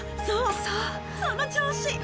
そうそうその調子！